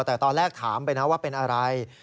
แต่ตอนแรกถามไปนะว่าเป็นอะไร